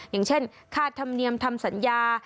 อย่างเช่นค่าธรรมเนียมทำสัญญา